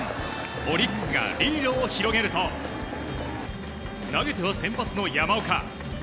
オリックスがリードを広げると投げては先発の山岡。